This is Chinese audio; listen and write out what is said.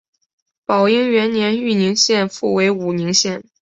宝应元年豫宁县复为武宁县。